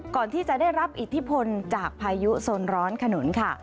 ก่อนที่จะได้รับอิทธิพลจากพายุโซนร้อนขนุนค่ะ